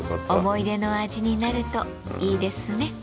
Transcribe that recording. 思い出の味になるといいですね。